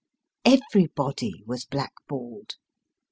Everybody was black balled.